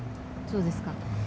そうですか。